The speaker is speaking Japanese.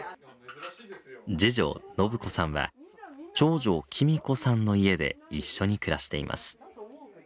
次女信子さんは長女貴美子さんの家で一緒に暮らしています。